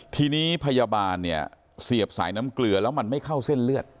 ทีนี้พยาบาลเนี่ยเสียบสายน้ำเกลือแล้วมันไม่เข้าเส้นเลือด